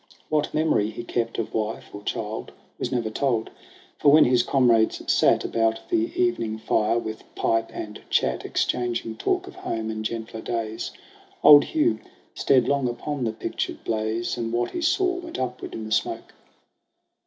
What memory he kept of wife or child Was never told ; for when his comrades sat About the evening fire with pipe and chat, Exchanging talk of home and gentler days, Old Hugh stared long upon the pictured blaze, And what he saw went upward in the smoke.